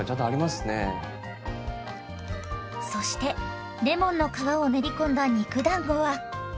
そしてレモンの皮を練り込んだ肉だんごは？